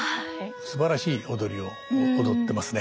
すばらしい踊りを踊ってますね